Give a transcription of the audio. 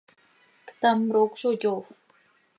Ctam roocö zo yoofp.